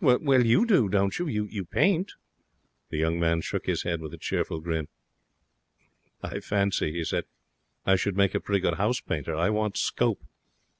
'Well, you do, don't you? You paint.' The young man shook his head with a cheerful grin. 'I fancy,' he said, 'I should make a pretty good house painter. I want scope.